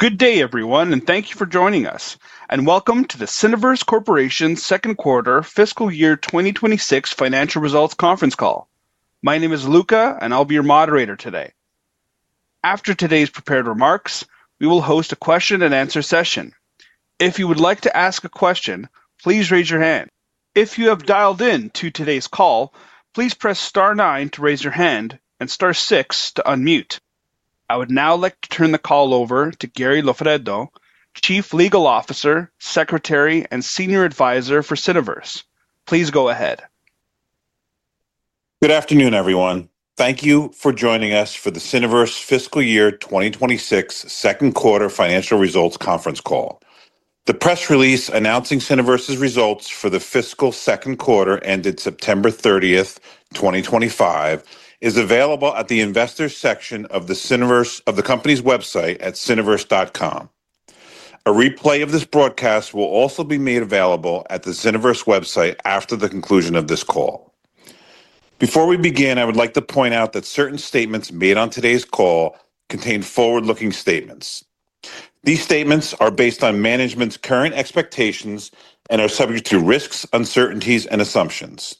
Good day, everyone, and thank you for joining us. Welcome to the Cineverse Corporation's second quarter, fiscal year 2026 financial results conference call. My name is Luca, and I'll be your moderator today. After today's prepared remarks, we will host a question-and-answer session. If you would like to ask a question, please raise your hand. If you have dialed in to today's call, please press star nine to raise your hand and star six to unmute. I would now like to turn the call over to Gary Loffredo, Chief Legal Officer, Secretary, and Senior Advisor for Cineverse. Please go ahead. Good afternoon, everyone. Thank you for joining us for the Cineverse fiscal year 2026 second quarter financial results conference call. The press release announcing Cineverse's results for the fiscal second quarter ended September 30th, 2025, is available at the investor section of the company's website at cineverse.com. A replay of this broadcast will also be made available at the Cineverse website after the conclusion of this call. Before we begin, I would like to point out that certain statements made on today's call contain forward-looking statements. These statements are based on management's current expectations and are subject to risks, uncertainties, and assumptions.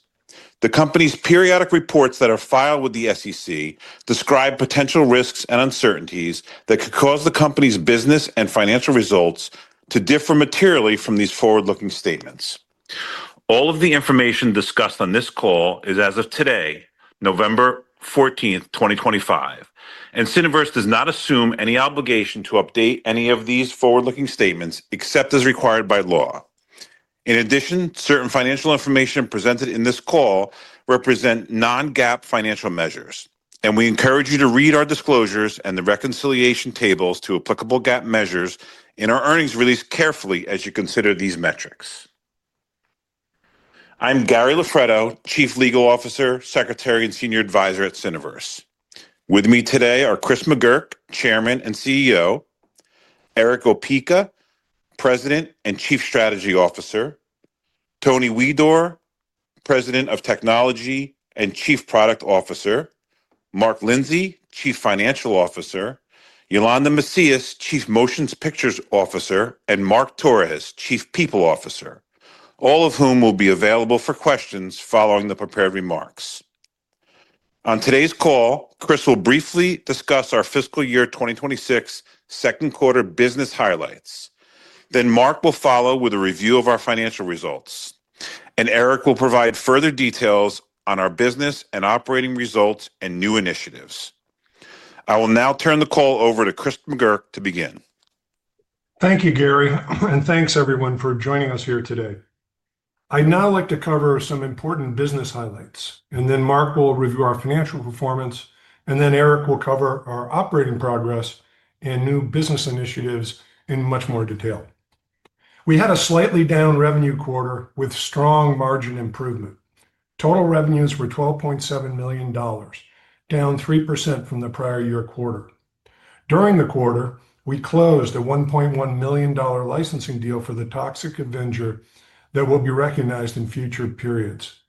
The company's periodic reports that are filed with the SEC describe potential risks and uncertainties that could cause the company's business and financial results to differ materially from these forward-looking statements. All of the information discussed on this call is as of today, November 14th, 2025, and Cineverse does not assume any obligation to update any of these forward-looking statements except as required by law. In addition, certain financial information presented in this call represent non-GAAP financial measures, and we encourage you to read our disclosures and the reconciliation tables to applicable GAAP measures in our earnings release carefully as you consider these metrics. I'm Gary Loffredo, Chief Legal Officer, Secretary, and Senior Advisor at Cineverse. With me today are Chris McGurk, Chairman and CEO, Erick Opeka, President and Chief Strategy Officer, Tony Huidor, President of Technology and Chief Product Officer, Mark Lindsey, Chief Financial Officer, Yolanda Macias, Chief Motion Pictures Officer, and Mark Torres, Chief People Officer, all of whom will be available for questions following the prepared remarks. On today's call, Chris will briefly discuss our fiscal year 2026 second quarter business highlights. Mark will follow with a review of our financial results, and Erick will provide further details on our business and operating results and new initiatives. I will now turn the call over to Chris McGurk to begin. Thank you, Gary, and thanks everyone for joining us here today. I'd now like to cover some important business highlights, and then Mark will review our financial performance, and then Erick will cover our operating progress and new business initiatives in much more detail. We had a slightly down revenue quarter with strong margin improvement. Total revenues were $12.7 million, down 3% from the prior year quarter. During the quarter, we closed a $1.1 million licensing deal for The Toxic Avenger that will be recognized in future periods.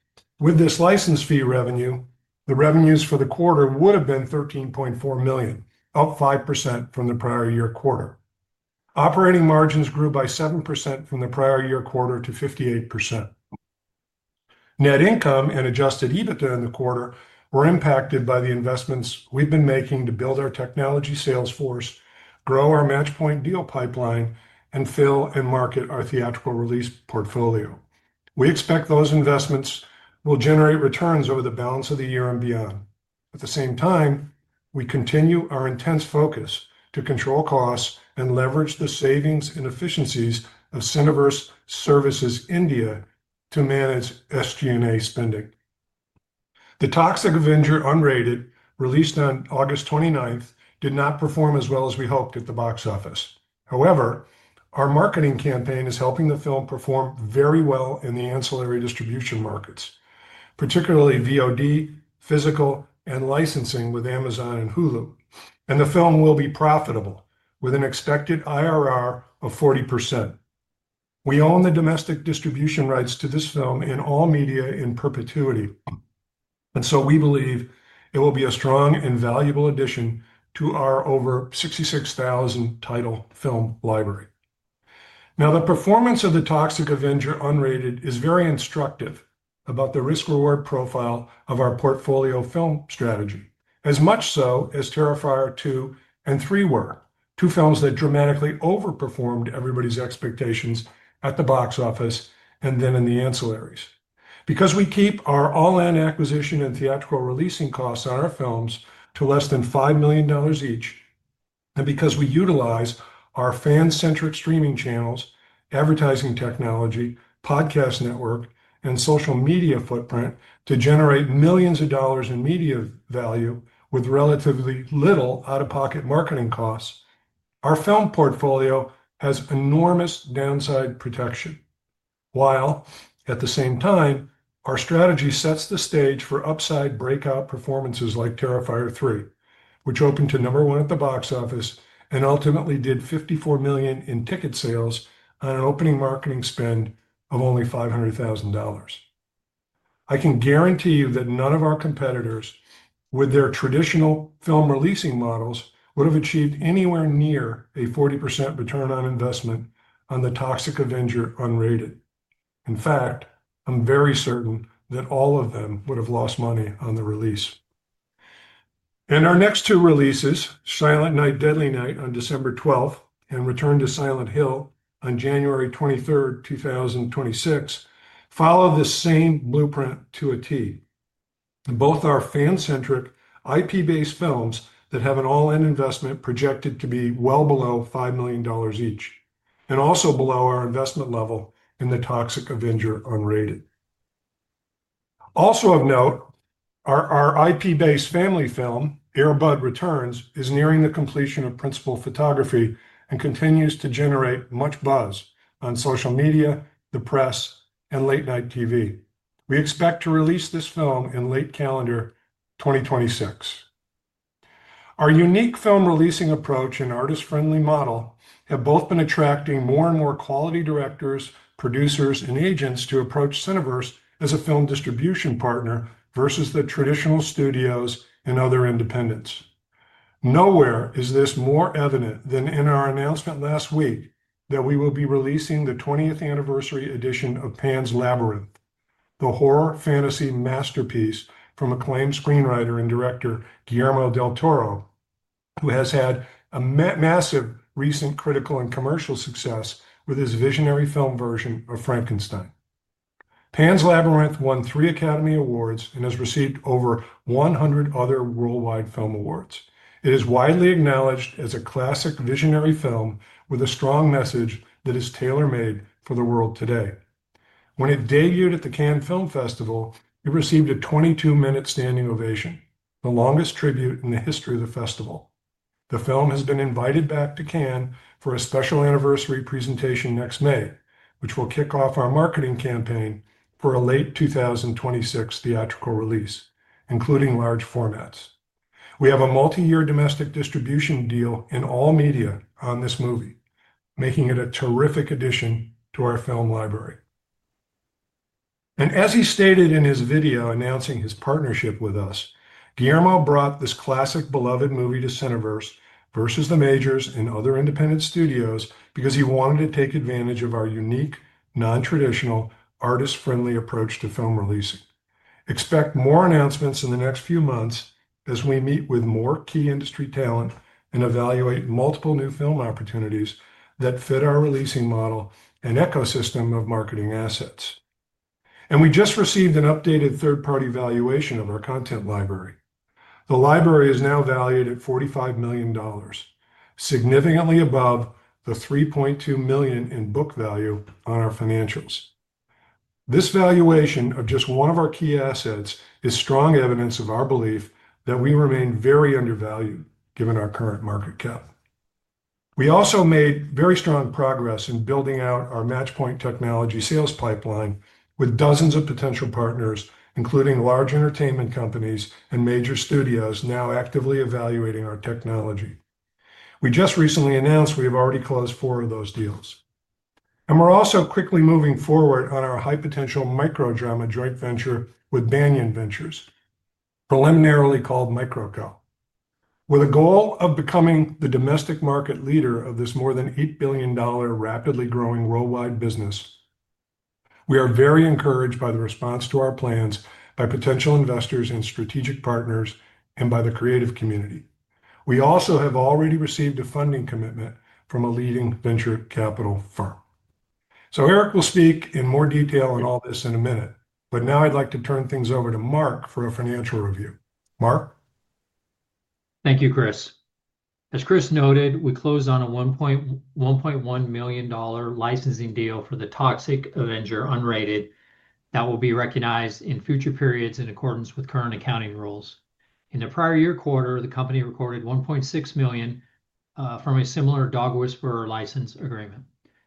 With this license fee revenue, the revenues for the quarter would have been $13.4 million, up 5% from the prior year quarter. Operating margins grew by 7% from the prior year quarter to 58%. Net income and adjusted EBITDA in the quarter were impacted by the investments we've been making to build our technology sales force, grow our Matchpoint deal pipeline, and fill and market our theatrical release portfolio. We expect those investments will generate returns over the balance of the year and beyond. At the same time, we continue our intense focus to control costs and leverage the savings and efficiencies of Cineverse Services India to manage SG&A spending. The Toxic Avenger Unrated, released on August 29th, did not perform as well as we hoped at the box office. However, our marketing campaign is helping the film perform very well in the ancillary distribution markets, particularly VOD, physical, and licensing with Amazon and Hulu, and the film will be profitable with an expected IRR of 40%. We own the domestic distribution rights to this film in all media in perpetuity, and so we believe it will be a strong and valuable addition to our over 66,000 title film library. Now, the performance of the Toxic Avenger Unrated is very instructive about the risk-reward profile of our portfolio film strategy, as much so as Terrifier 2 and 3 were, two films that dramatically overperformed everybody's expectations at the box office and then in the ancillaries. Because we keep our all-in acquisition and theatrical releasing costs on our films to less than $5 million each, and because we utilize our fan-centric streaming channels, advertising technology, podcast network, and social media footprint to generate millions of dollars in media value with relatively little out-of-pocket marketing costs, our film portfolio has enormous downside protection. While, at the same time, our strategy sets the stage for upside breakout performances like Terrifier 3, which opened to number one at the box office and ultimately did $54 million in ticket sales on an opening marketing spend of only $500,000. I can guarantee you that none of our competitors, with their traditional film releasing models, would have achieved anywhere near a 40% return on investment on the Toxic Avenger Unrated. In fact, I'm very certain that all of them would have lost money on the release. Our next two releases, Silent Night, Deadly Night on December 12th and Return to Silent Hill on January 23rd, 2026, follow the same blueprint to a T. Both are fan-centric, IP-based films that have an all-in investment projected to be well below $5 million each, and also below our investment level in the Toxic Avenger Unrated. Also of note, our IP-based family film, Air Bud Returns, is nearing the completion of principal photography and continues to generate much buzz on social media, the press, and late-night TV. We expect to release this film in late calendar 2026. Our unique film releasing approach and artist-friendly model have both been attracting more and more quality directors, producers, and agents to approach Cineverse as a film distribution partner versus the traditional studios and other independents. Nowhere is this more evident than in our announcement last week that we will be releasing the 20th anniversary edition of Pan's Labyrinth, the horror fantasy masterpiece from acclaimed screenwriter and director Guillermo del Toro, who has had a massive recent critical and commercial success with his visionary film version of Frankenstein. Pan's Labyrinth won three Academy Awards and has received over 100 other worldwide film awards. It is widely acknowledged as a classic visionary film with a strong message that is tailor-made for the world today. When it debuted at the Cannes Film Festival, it received a 22-minute standing ovation, the longest tribute in the history of the festival. The film has been invited back to Cannes for a special anniversary presentation next May, which will kick off our marketing campaign for a late 2026 theatrical release, including large formats. We have a multi-year domestic distribution deal in all media on this movie, making it a terrific addition to our film library. As he stated in his video announcing his partnership with us, Guillermo brought this classic beloved movie to Cineverse versus the majors and other independent studios because he wanted to take advantage of our unique, non-traditional, artist-friendly approach to film releasing. Expect more announcements in the next few months as we meet with more key industry talent and evaluate multiple new film opportunities that fit our releasing model and ecosystem of marketing assets. We just received an updated third-party valuation of our content library. The library is now valued at $45 million, significantly above the $3.2 million in book value on our financials. This valuation of just one of our key assets is strong evidence of our belief that we remain very undervalued given our current market cap. We also made very strong progress in building out our Matchpoint technology sales pipeline with dozens of potential partners, including large entertainment companies and major studios now actively evaluating our technology. We just recently announced we have already closed four of those deals. We are also quickly moving forward on our high-potential micro-drama joint venture with Banyan Ventures, preliminarily called MicroCo, with a goal of becoming the domestic market leader of this more than $8 billion rapidly growing worldwide business. We are very encouraged by the response to our plans by potential investors and strategic partners and by the creative community. We also have already received a funding commitment from a leading venture capital firm. Erick will speak in more detail on all this in a minute, but now I would like to turn things over to Mark for a financial review. Mark. Thank you, Chris. As Chris noted, we closed on a $1.1 million licensing deal for the Toxic Avenger Unrated that will be recognized in future periods in accordance with current accounting rules. In the prior year quarter, the company recorded $1.6 million from a similar Dog Whisperer license agreement.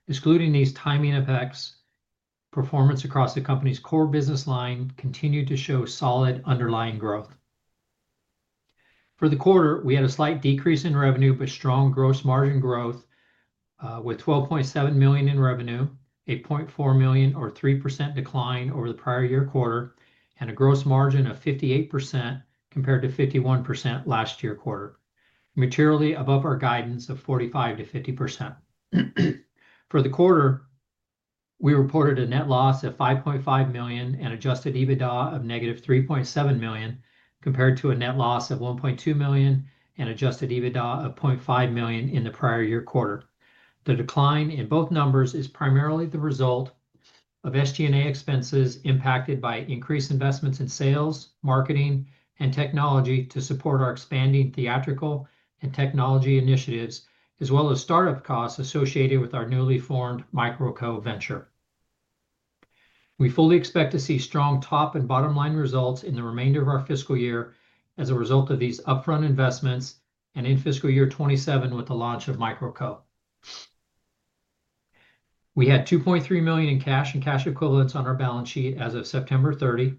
Excluding these timing effects, performance across the company's core business line continued to show solid underlying growth. For the quarter, we had a slight decrease in revenue, but strong gross margin growth with $12.7 million in revenue, a $0.4 million, or 3% decline over the prior year quarter, and a gross margin of 58% compared to 51% last year quarter, materially above our guidance of 45%-50%. For the quarter, we reported a net loss of $5.5 million and adjusted EBITDA of negative $3.7 million compared to a net loss of $1.2 million and adjusted EBITDA of $0.5 million in the prior year quarter. The decline in both numbers is primarily the result of SG&A expenses impacted by increased investments in sales, marketing, and technology to support our expanding theatrical and technology initiatives, as well as startup costs associated with our newly formed MicroCo venture. We fully expect to see strong top and bottom line results in the remainder of our fiscal year as a result of these upfront investments and in fiscal year 2027 with the launch of MicroCo. We had $2.3 million in cash and cash equivalents on our balance sheet as of September 30,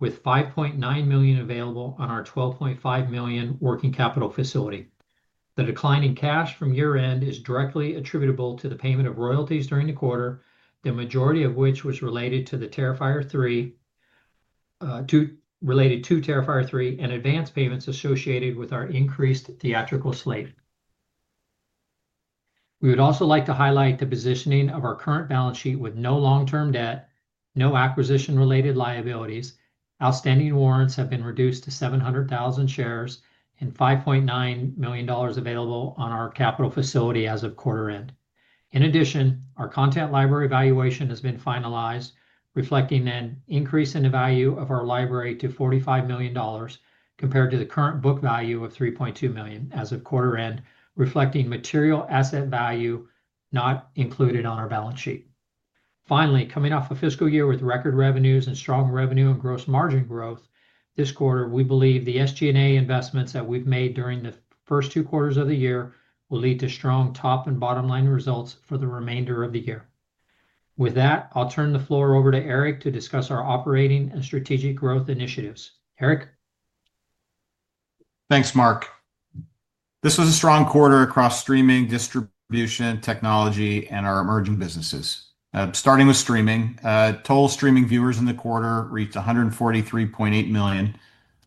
with $5.9 million available on our $12.5 million working capital facility. The decline in cash from year-end is directly attributable to the payment of royalties during the quarter, the majority of which was related to Terrifier 3, related to Terrifier 3 and advance payments associated with our increased theatrical slate. We would also like to highlight the positioning of our current balance sheet with no long-term debt, no acquisition-related liabilities. Outstanding warrants have been reduced to 700,000 shares and $5.9 million available on our capital facility as of quarter-end. In addition, our content library valuation has been finalized, reflecting an increase in the value of our library to $45 million compared to the current book value of $3.2 million as of quarter-end, reflecting material asset value not included on our balance sheet. Finally, coming off a fiscal year with record revenues and strong revenue and gross margin growth, this quarter, we believe the SG&A investments that we've made during the first two quarters of the year will lead to strong top and bottom line results for the remainder of the year. With that, I'll turn the floor over to Erick to discuss our operating and strategic growth initiatives. Erick. Thanks, Mark. This was a strong quarter across streaming, distribution, technology, and our emerging businesses. Starting with streaming, total streaming viewers in the quarter reached 143.8 million,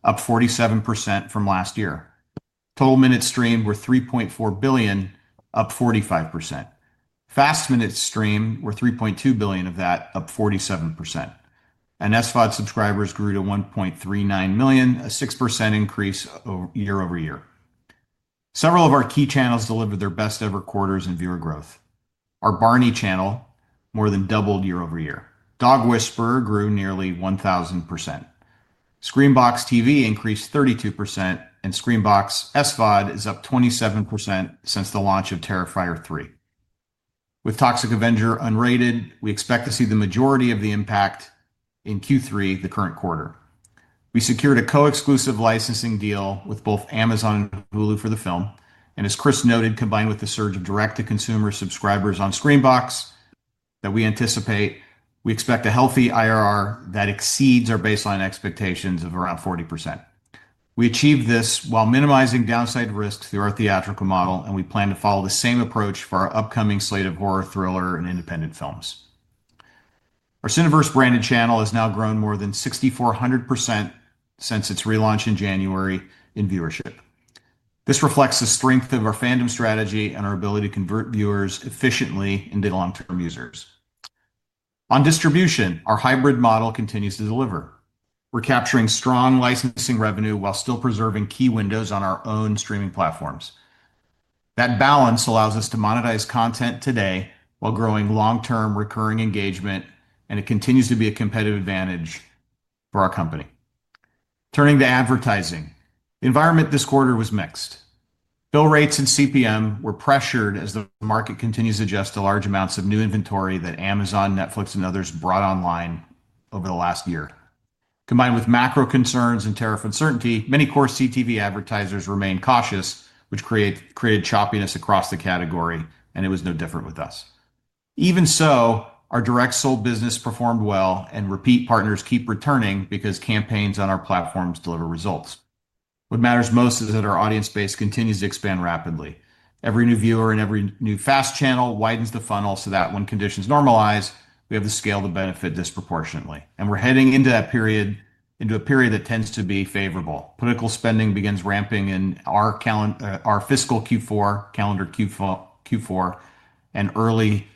up 47% from last year. Total minutes streamed were 3.4 billion, up 45%. FAST minutes streamed were 3.2 billion of that, up 47%. And SVOD subscribers grew to 1.39 million, a 6% increase year-over-year. Several of our key channels delivered their best-ever quarters in viewer growth. Our Barney channel more than doubled year-over-year. Dog Whisperer grew nearly 1,000%. Screambox TV increased 32%, and Screambox SVOD is up 27% since the launch of Terrifier 3. With Toxic Avenger Unrated, we expect to see the majority of the impact in Q3 the current quarter. We secured a co-exclusive licensing deal with both Amazon and Hulu for the film. As Chris noted, combined with the surge of direct-to-consumer subscribers on Screambox that we anticipate, we expect a healthy IRR that exceeds our baseline expectations of around 40%. We achieved this while minimizing downside risks through our theatrical model, and we plan to follow the same approach for our upcoming slate of horror, thriller, and independent films. Our Cineverse branded channel has now grown more than 6,400% since its relaunch in January in viewership. This reflects the strength of our fandom strategy and our ability to convert viewers efficiently into long-term users. On distribution, our hybrid model continues to deliver. We're capturing strong licensing revenue while still preserving key windows on our own streaming platforms. That balance allows us to monetize content today while growing long-term recurring engagement, and it continues to be a competitive advantage for our company. Turning to advertising, the environment this quarter was mixed. Bill rates and CPM were pressured as the market continues to adjust to large amounts of new inventory that Amazon, Netflix, and others brought online over the last year. Combined with macro concerns and tariff uncertainty, many core CTV advertisers remained cautious, which created choppiness across the category, and it was no different with us. Even so, our direct sole business performed well, and repeat partners keep returning because campaigns on our platforms deliver results. What matters most is that our audience base continues to expand rapidly. Every new viewer and every new FAST channel widens the funnel so that when conditions normalize, we have to scale the benefit disproportionately. We are heading into that period, into a period that tends to be favorable. Political spending begins ramping in our fiscal Q4, calendar Q4, and early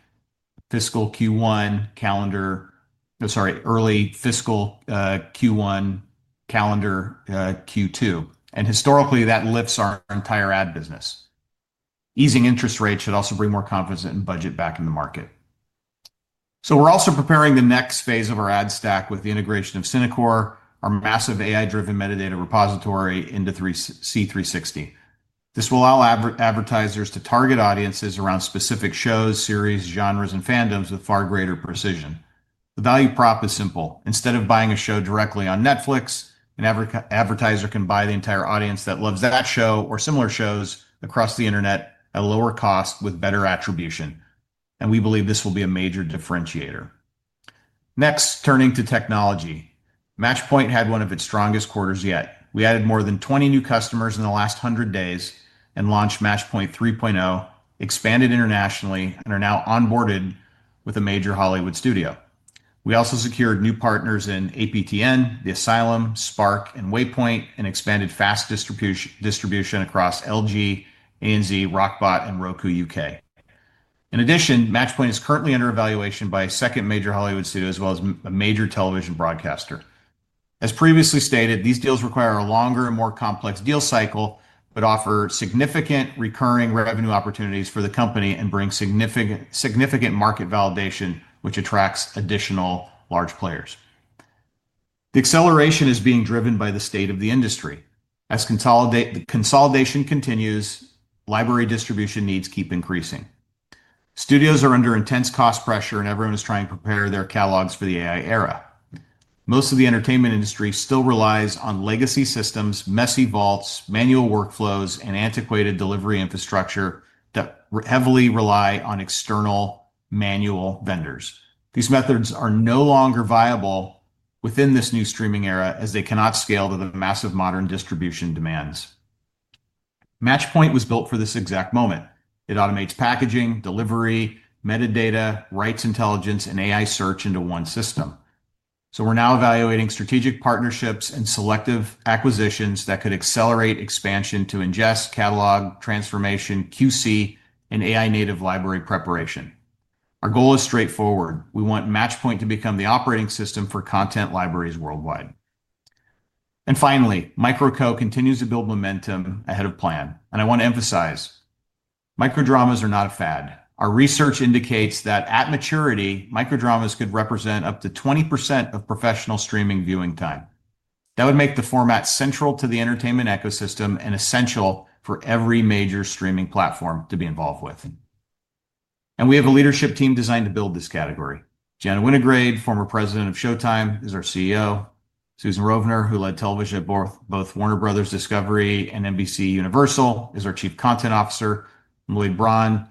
fiscal Q1, calendar—sorry, early fiscal Q1, calendar Q2. Historically, that lifts our entire ad business. Easing interest rates should also bring more confidence in budget back in the market. We are also preparing the next phase of our ad stack with the integration of Cinecore, our massive AI-driven metadata repository, into C360. This will allow advertisers to target audiences around specific shows, series, genres, and fandoms with far greater precision. The value prop is simple. Instead of buying a show directly on Netflix, an advertiser can buy the entire audience that loves that show or similar shows across the internet at a lower cost with better attribution. We believe this will be a major differentiator. Next, turning to technology, Matchpoint had one of its strongest quarters yet. We added more than 20 new customers in the last 100 days and launched Matchpoint 3.0, expanded internationally, and are now onboarded with a major Hollywood studio. We also secured new partners in APTN, The Asylum, Spark, and Waypoint, and expanded FAST distribution across LG, ANZ, Rockbot, and Roku U.K. In addition, Matchpoint is currently under evaluation by a second major Hollywood studio as well as a major television broadcaster. As previously stated, these deals require a longer and more complex deal cycle, but offer significant recurring revenue opportunities for the company and bring significant market validation, which attracts additional large players. The acceleration is being driven by the state of the industry. As consolidation continues, library distribution needs keep increasing. Studios are under intense cost pressure, and everyone is trying to prepare their catalogs for the AI era. Most of the entertainment industry still relies on legacy systems, messy vaults, manual workflows, and antiquated delivery infrastructure that heavily rely on external manual vendors. These methods are no longer viable within this new streaming era as they cannot scale to the massive modern distribution demands. Matchpoint was built for this exact moment. It automates packaging, delivery, metadata, rights intelligence, and AI search into one system. We are now evaluating strategic partnerships and selective acquisitions that could accelerate expansion to ingest, catalog, transformation, QC, and AI-native library preparation. Our goal is straightforward. We want Matchpoint to become the operating system for content libraries worldwide. Finally, MicroCo continues to build momentum ahead of plan. I want to emphasize, microdramas are not a fad. Our research indicates that at maturity, microdramas could represent up to 20% of professional streaming viewing time. That would make the format central to the entertainment ecosystem and essential for every major streaming platform to be involved with. We have a leadership team designed to build this category. Jana Winograde, former president of Showtime, is our CEO. Susan Rovner, who led television at both Warner Bros. Discovery and NBCUniversal, is our Chief Content Officer. Lloyd Braun,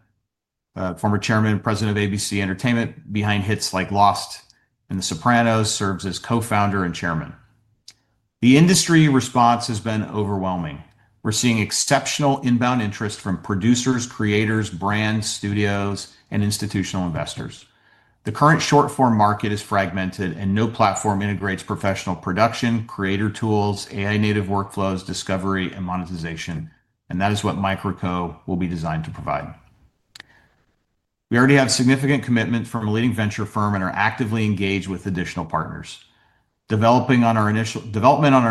former chairman and president of ABC Entertainment behind hits like Lost and The Sopranos, serves as co-founder and chairman. The industry response has been overwhelming. We are seeing exceptional inbound interest from producers, creators, brands, studios, and institutional investors. The current short-form market is fragmented, and no platform integrates professional production, creator tools, AI-native workflows, discovery, and monetization. That is what MicroCo will be designed to provide. We already have significant commitment from a leading venture firm and are actively engaged with additional partners. Development on our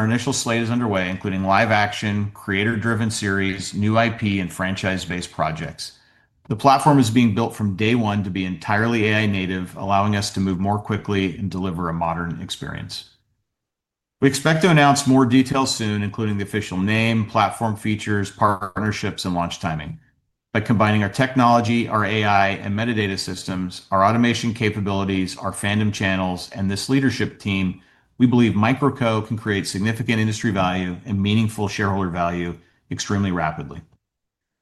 initial slate is underway, including live action, creator-driven series, new IP, and franchise-based projects. The platform is being built from day one to be entirely AI-native, allowing us to move more quickly and deliver a modern experience. We expect to announce more details soon, including the official name, platform features, partnerships, and launch timing. By combining our technology, our AI, and metadata systems, our automation capabilities, our fandom channels, and this leadership team, we believe MicroCo can create significant industry value and meaningful shareholder value extremely rapidly.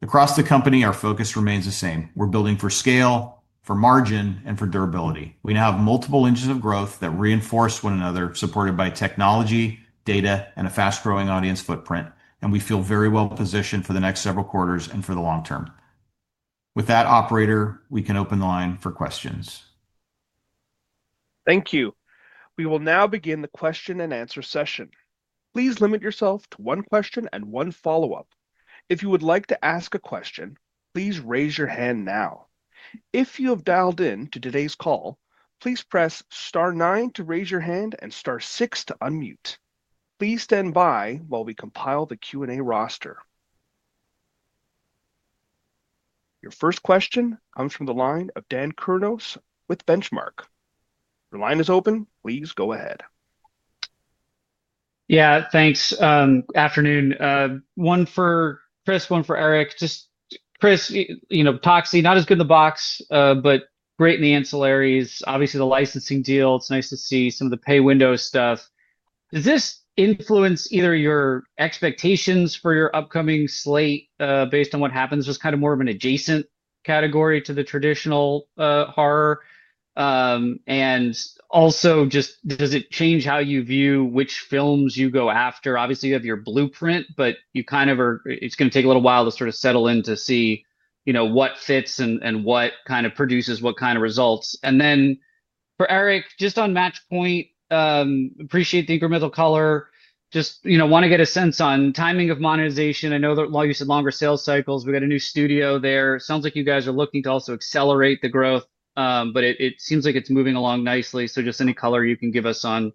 Across the company, our focus remains the same. We're building for scale, for margin, and for durability. We now have multiple engines of growth that reinforce one another, supported by technology, data, and a fast-growing audience footprint. We feel very well positioned for the next several quarters and for the long term. With that, operator, we can open the line for questions. Thank you. We will now begin the question-and-answer session. Please limit yourself to one question and one follow-up. If you would like to ask a question, please raise your hand now. If you have dialed in to today's call, please press star nine to raise your hand and star six to unmute. Please stand by while we compile the Q&A roster. Your first question comes from the line of Dan Kurnos with Benchmark. Your line is open. Please go ahead. Yeah, thanks. Afternoon. One for Chris, one for Erick. Just Chris, you know, Toxic, not as good in the box, but great in the ancillaries. Obviously, the licensing deal, it's nice to see some of the pay window stuff. Does this influence either your expectations for your upcoming slate based on what happens? It's kind of more of an adjacent category to the traditional horror. Also just, does it change how you view which films you go after? Obviously, you have your blueprint, but you kind of are, it's going to take a little while to sort of settle in to see, you know, what fits and what kind of produces what kind of results. Then for Erick, just on Matchpoint, appreciate the incremental color. Just, you know, want to get a sense on timing of monetization. I know that while you said longer sales cycles, we've got a new studio there. Sounds like you guys are looking to also accelerate the growth, but it seems like it's moving along nicely. Just any color you can give us on,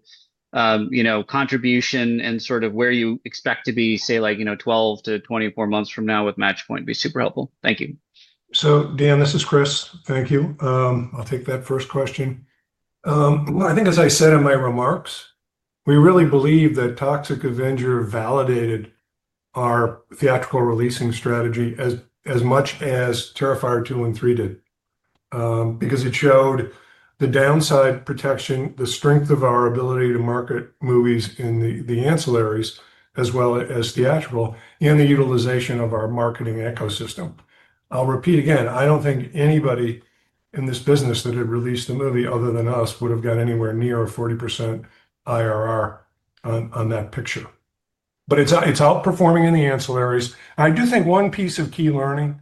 you know, contribution and sort of where you expect to be, say, like, you know, 12-24 months from now with Matchpoint would be super helpful. Thank you. Dan, this is Chris. Thank you. I'll take that first question. I think, as I said in my remarks, we really believe that Toxic Avenger validated our theatrical releasing strategy as much as Terrifier 2 and 3 did because it showed the downside protection, the strength of our ability to market movies in the ancillaries, as well as theatrical, and the utilization of our marketing ecosystem. I'll repeat again, I don't think anybody in this business that had released a movie other than us would have gotten anywhere near a 40% IRR on that picture. It's outperforming in the ancillaries. I do think one piece of key learning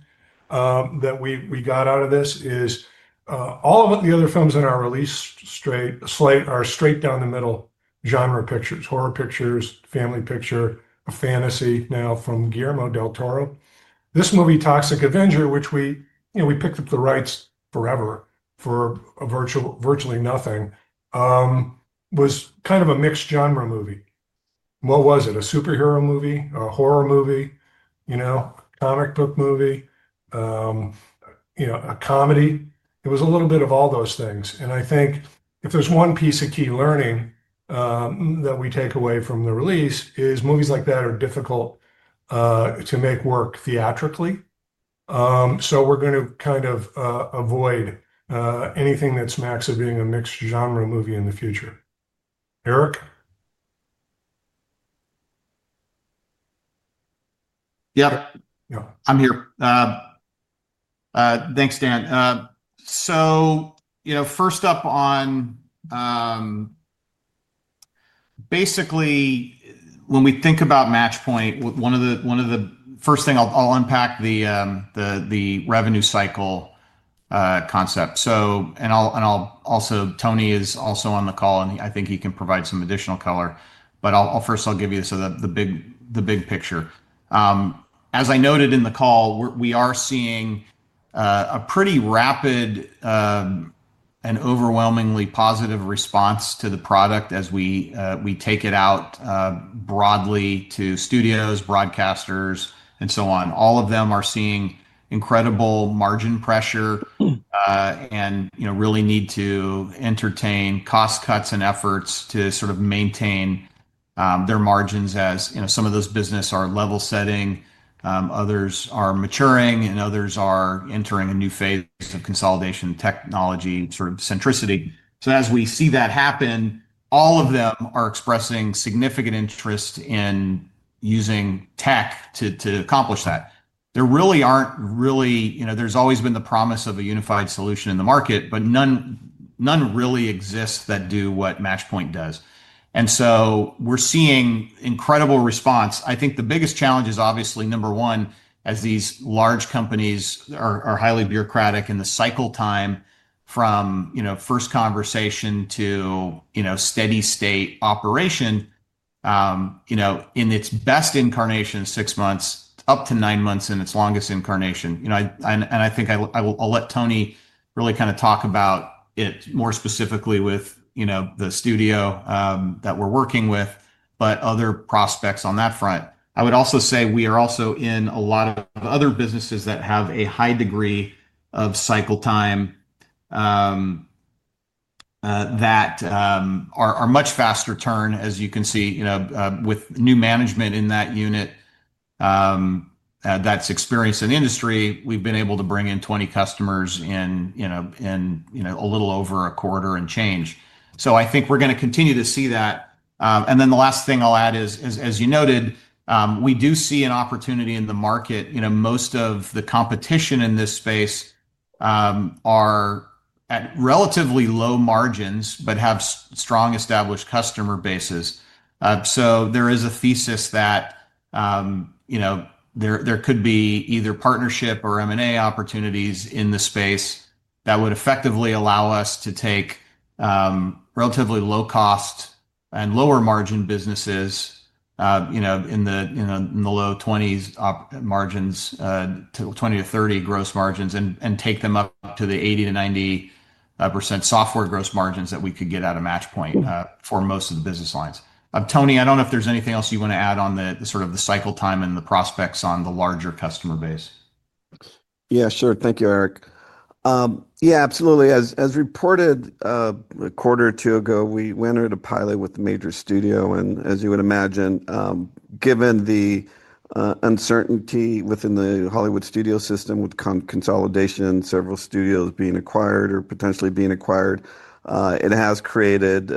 that we got out of this is all of the other films in our release slate are straight down the middle genre pictures, horror pictures, family picture, a fantasy now from Guillermo del Toro. This movie, Toxic Avenger, which we, you know, we picked up the rights forever for virtually nothing, was kind of a mixed genre movie. What was it? A superhero movie, a horror movie, you know, a comic book movie, you know, a comedy. It was a little bit of all those things. I think if there's one piece of key learning that we take away from the release is movies like that are difficult to make work theatrically. We are going to kind of avoid anything that smacks of being a mixed genre movie in the future. Eric? Yeah. I'm here. Thanks, Dan. So you know, first up on basically, when we think about Matchpoint, one of the first things, I'll unpack the revenue cycle concept. So, and I'll also, Tony is also on the call, and I think he can provide some additional color. But I'll first, I'll give you the big picture. As I noted in the call, we are seeing a pretty rapid and overwhelmingly positive response to the product as we take it out broadly to studios, broadcasters, and so on. All of them are seeing incredible margin pressure and, you know, really need to entertain cost cuts and efforts to sort of maintain their margins as, you know, some of those businesses are level setting, others are maturing, and others are entering a new phase of consolidation technology sort of centricity. As we see that happen, all of them are expressing significant interest in using tech to accomplish that. There really aren't, you know, there's always been the promise of a unified solution in the market, but none really exists that do what Matchpoint does. We're seeing incredible response. I think the biggest challenge is obviously, number one, as these large companies are highly bureaucratic and the cycle time from, you know, first conversation to, you know, steady state operation, in its best incarnation, six months, up to nine months in its longest incarnation. I think I'll let Tony really kind of talk about it more specifically with, you know, the studio that we're working with, but other prospects on that front. I would also say we are also in a lot of other businesses that have a high degree of cycle time that are much faster turn, as you can see, you know, with new management in that unit that's experienced in the industry. We've been able to bring in 20 customers in, you know, a little over a quarter and change. I think we're going to continue to see that. The last thing I'll add is, as you noted, we do see an opportunity in the market. You know, most of the competition in this space are at relatively low margins, but have strong established customer bases. There is a thesis that, you know, there could be either partnership or M&A opportunities in the space that would effectively allow us to take relatively low-cost and lower-margin businesses, you know, in the low 20s margins, 2%0-30% gross margins, and take them up to the 80%-90% software gross margins that we could get out of Match Point for most of the business lines. Tony, I do not know if there is anything else you want to add on the sort of the cycle time and the prospects on the larger customer base. Yeah, sure. Thank you, Erick. Yeah, absolutely. As reported a quarter or two ago, we entered a pilot with a major studio. As you would imagine, given the uncertainty within the Hollywood studio system with consolidation, several studios being acquired or potentially being acquired, it has created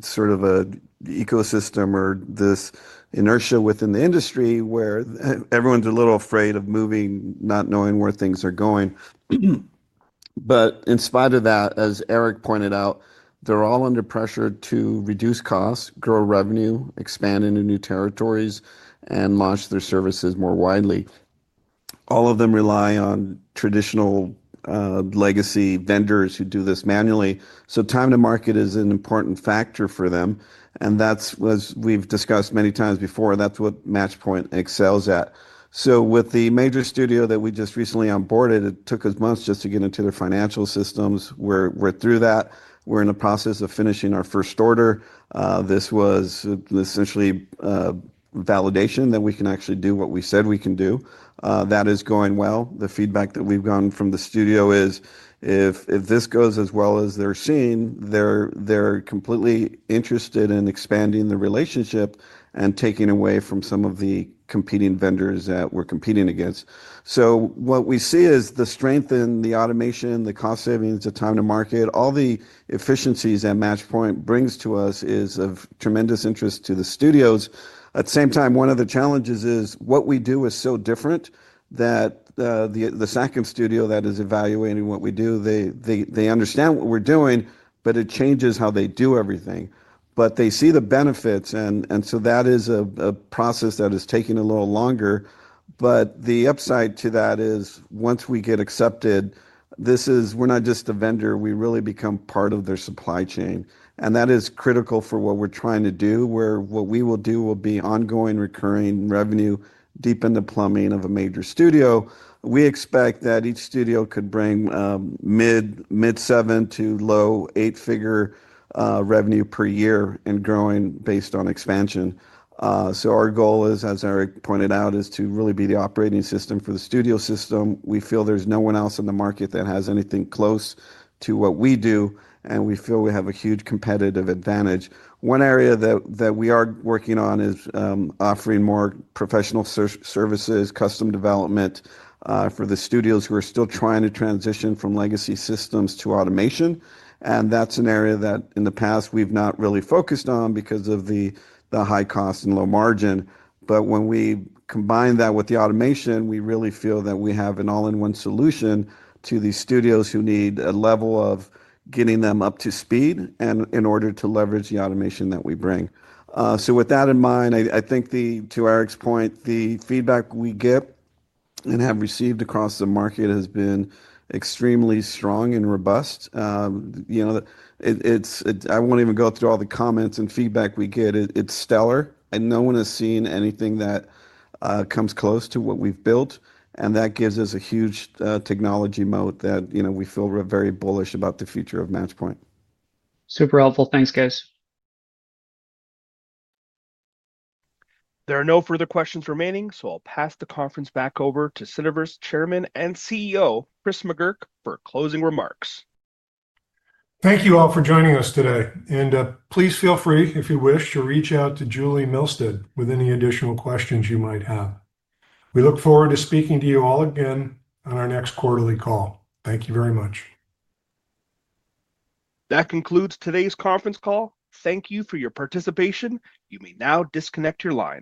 sort of an ecosystem or this inertia within the industry where everyone's a little afraid of moving, not knowing where things are going. In spite of that, as Erick pointed out, they're all under pressure to reduce costs, grow revenue, expand into new territories, and launch their services more widely. All of them rely on traditional legacy vendors who do this manually. Time to market is an important factor for them. As we've discussed many times before, that's what Matchpoint excels at. With the major studio that we just recently onboarded, it took us months just to get into their financial systems. We're through that. We're in the process of finishing our first order. This was essentially validation that we can actually do what we said we can do. That is going well. The feedback that we've gotten from the studio is if this goes as well as they're seeing, they're completely interested in expanding the relationship and taking away from some of the competing vendors that we're competing against. What we see is the strength in the automation, the cost savings, the time to market, all the efficiencies that Matchpoint brings to us is of tremendous interest to the studios. At the same time, one of the challenges is what we do is so different that the second studio that is evaluating what we do, they understand what we're doing, but it changes how they do everything. They see the benefits. That is a process that is taking a little longer. The upside to that is once we get accepted, we are not just a vendor. We really become part of their supply chain. That is critical for what we're trying to do, where what we will do will be ongoing recurring revenue deep in the plumbing of a major studio. We expect that each studio could bring mid-seven to low eight-figure revenue per year and growing based on expansion. Our goal is, as Erick pointed out, to really be the operating system for the studio system. We feel there's no one else in the market that has anything close to what we do, and we feel we have a huge competitive advantage. One area that we are working on is offering more professional services, custom development for the studios who are still trying to transition from legacy systems to automation. That is an area that in the past we've not really focused on because of the high cost and low margin. When we combine that with the automation, we really feel that we have an all-in-one solution to these studios who need a level of getting them up to speed in order to leverage the automation that we bring. With that in mind, I think to Erick's point, the feedback we get and have received across the market has been extremely strong and robust. You know, I won't even go through all the comments and feedback we get. It's stellar. No one has seen anything that comes close to what we've built. That gives us a huge technology moat that, you know, we feel very bullish about the future of Matchpoint. Super helpful. Thanks, guys. There are no further questions remaining, so I'll pass the conference back over to Cineverse Chairman and CEO, Chris McGurk, for closing remarks. Thank you all for joining us today. Please feel free, if you wish, to reach out to Julie Milstead with any additional questions you might have. We look forward to speaking to you all again on our next quarterly call. Thank you very much. That concludes today's conference call. Thank you for your participation. You may now disconnect your line.